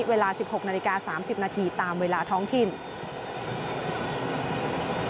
เวลา๑๖นาฬิกา๓๐นาทีตามเวลาท้องถิ่น